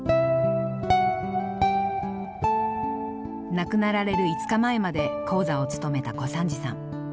亡くなられる５日前まで高座をつとめた小三治さん。